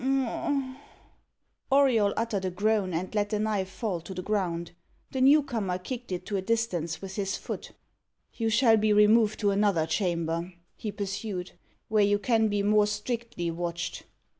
Auriol uttered a groan and let the knife fall to the ground. The new comer kicked it to a distance with his foot. "You shall be removed to another chamber," he pursued, "where you can be more strictly watched."